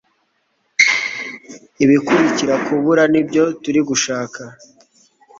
ibikurikira kubura nibyo turi gushaka